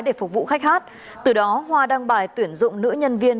để phục vụ khách hát từ đó hoa đăng bài tuyển dụng nữ nhân viên